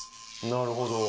なるほど。